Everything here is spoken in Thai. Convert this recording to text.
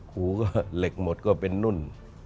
หูก็เหล็กหมดก็เป็นนุ่น